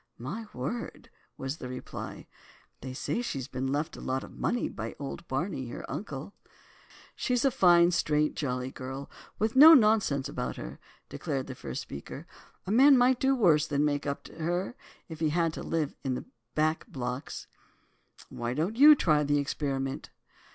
"My word," was the reply. "They say she's been left a lot of money by old Barney, her uncle." "She's a fine, straight, jolly girl, with no nonsense about her," declared the first speaker, "a man might do worse than make up to her, if he had to live in the back blocks." "Why don't you try the experiment?"